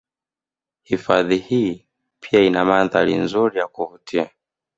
Hifadhi hii pia ina mandhari mazuri ya kuvutia